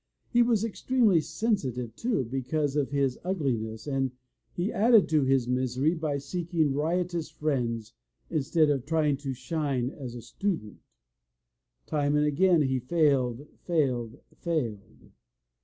He was extremely sensitive, too, because, of his ugliness and he added to his misery by seeking riotous friends instead of trying to shine as a student. io8 THE LATCH KEY Time and again he failed, failed, failed.